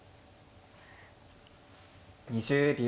２０秒。